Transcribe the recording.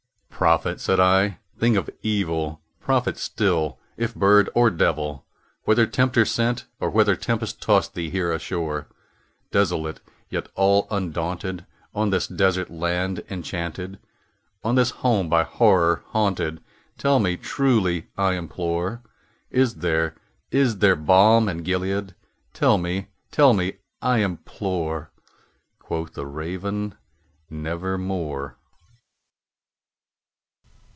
"Prophet!" said I, "thing of evil! prophet still, if bird or devil! Whether Tempter sent, or whether tempest tossed thee here ashore, Desolate yet all undaunted, on this desert land enchanted On this home by Horror haunted tell me truly, I implore Is there is there balm in Gilead? tell me tell me, I implore!" Quoth the Raven, "Nevermore."